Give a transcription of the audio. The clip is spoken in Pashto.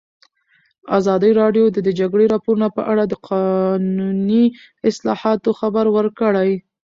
ازادي راډیو د د جګړې راپورونه په اړه د قانوني اصلاحاتو خبر ورکړی.